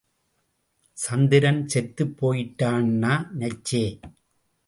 சந்திரன் செத்துப் போயிட்டான்னா நினைச்சே!